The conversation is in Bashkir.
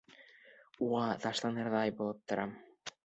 Уға ташланырҙай булып торам.